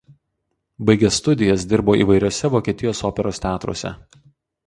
Baigęs studijas dirbo įvairiuose Vokietijos operos teatruose.